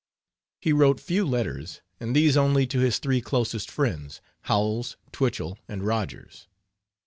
He wrote few letters, and these only to his three closest friends, Howells, Twichell, and Rogers.